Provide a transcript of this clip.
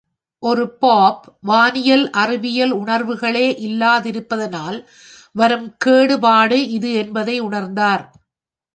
ஒரு போப், வானியல், அறிவியல் உணர்வுகளே இல்லாதிருப்பதனால் வரும் கேடுபாடு இது என்பதை உணர்ந்தார்!